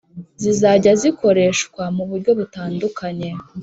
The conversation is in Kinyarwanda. Zizajyazikoreshwa mu buryo butandukanye